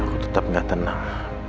aku tetap gak tenang